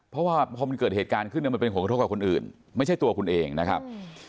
เพราะว่าพอมันเกิดเหตุการณ์ขึ้นมันเป็นผลกระทบกับคนอื่นไม่ใช่ตัวคุณเองนะครับ